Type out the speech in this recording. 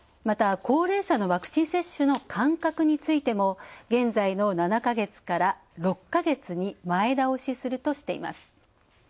また、高齢者のワクチン接種の間隔についても現在の７か月から６か月に前倒しするとしています。